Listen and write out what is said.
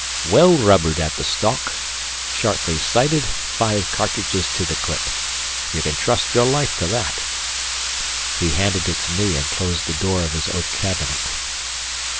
"Well rubbered at the stock, sharply sighted, five cartridges to the clip. You can trust your life to that." He handed it to me and closed the door of his oak cabinet.